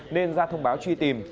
nên ra thông báo truy tìm